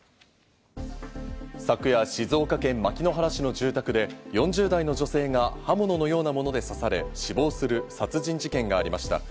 昨夜、静岡県牧之原市の住宅で４０代の女性が刃物のようなもので刺され、死亡する殺人事件がありました。